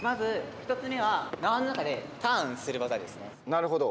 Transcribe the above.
なるほど。